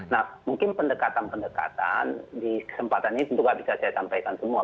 nah mungkin pendekatan pendekatan di kesempatan ini tentu tidak bisa saya sampaikan semua